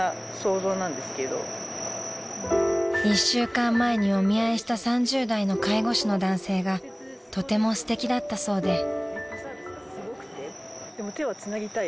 ［１週間前にお見合いした３０代の介護士の男性がとてもすてきだったそうで］